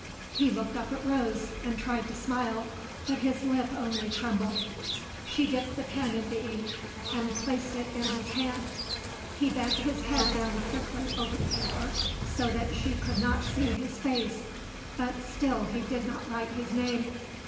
He looked up at Rose, and tried to smile; but his lip only trembled. She dipped the pen in the ink, and placed it in his hand. He bent his head down quickly over the paper, so that she could not see his face; but still he did not write his name.